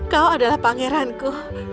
kau adalah pangeranku